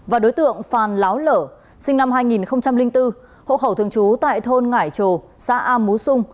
và đối tượng phàn láo lở sinh năm hai nghìn bốn hộ khẩu thường trú tại thôn ngải trồ xã am mú sung